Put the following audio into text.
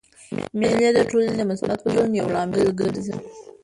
مېلې د ټولني د مثبت بدلون یو لامل ګرځي.